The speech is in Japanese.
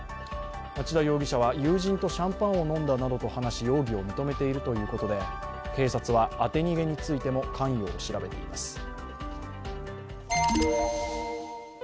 町田容疑者は友人とシャンパンを飲んだなどと話し容疑を認めているということで警察は当て逃げについても関与を調べています。